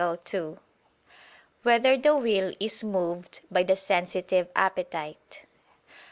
9, Art. 2] Whether the Will Is Moved by the Sensitive Appetite?